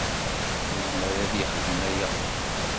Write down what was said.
Yezmer ad yexdem aya.